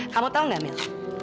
kamu tahu nggak mil